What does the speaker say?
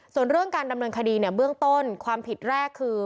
ส่วนเรื่องการดำเนินคดีเนี่ยเบื้องต้นความผิดแรกคือ